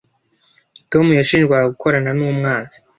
tom yashinjwaga gukorana n’umwanzi.